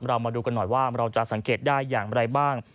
มาดูกันหน่อยว่าเราจะสังเกตได้อย่างไรบ้าง